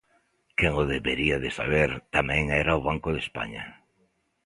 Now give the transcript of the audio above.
Quen o debería de saber tamén era o Banco de España.